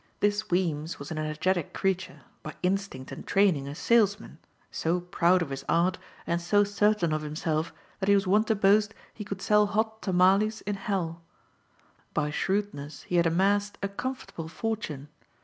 This Weems was an energetic creature, by instinct and training a salesman, so proud of his art and so certain of himself that he was wont to boast he could sell hot tamales in hell. By shrewdness he had amassed a comfortable fortune.